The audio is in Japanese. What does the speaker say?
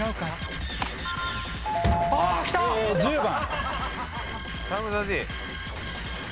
１０番。